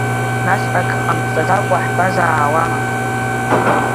Нас ак ҟамҵаӡакәа ҳтәазаауама?